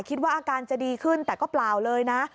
คิดว่าอาการจะดีขึ้นแต่ก็เปล่าเลยนะ